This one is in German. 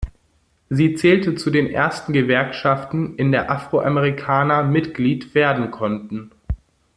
Sie zählte zu den ersten Gewerkschaften, in der Afroamerikaner Mitglied werden konnten.